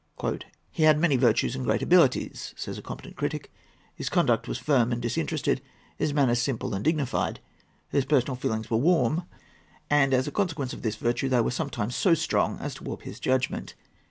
"He had many virtues and great abilities," says a competent critic. "His conduct was firm and disinterested, his manners simple and dignified. His personal feelings were warm, and, as a consequence of this virtue, they were sometimes so strong as to warp his judgment.